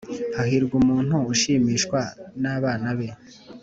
Hahirwa umuntu ushimishwa n’abana be,